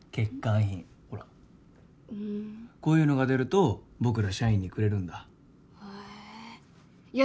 品ほらふんこういうのが出ると僕ら社員にくれるんだへえいや